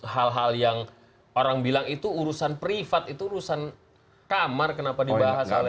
hal hal yang orang bilang itu urusan privat itu urusan kamar kenapa dibahas oleh